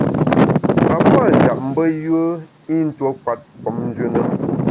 A puâ’ njap mbe yùe i ntuo kwet famnjù na.